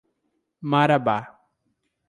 Marabá